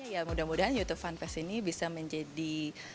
ya mudah mudahan youtube fanfest ini bisa menjadi